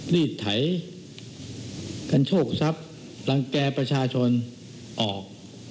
รีดไถกันโชคทรัพย์รังแก่ประชาชนออก